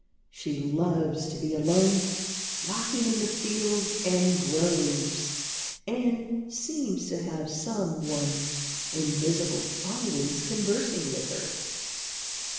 She loves to be alone walking in the fields and groves, and seems to have some one invisible always conversing with her."